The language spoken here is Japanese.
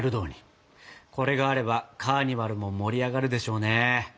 これがあればカーニバルも盛り上がるでしょうね。